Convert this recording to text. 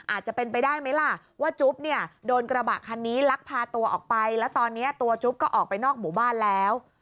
อาจจะเป็นไปได้ไหมล่ะว่าจุ๊บเนี่ยโดนกระบะคันนี้ลักพาตัวออกไปแล้วตอนนี้ตัวจุ๊บก็ออกไปนอกหมู่บ้านแล้ว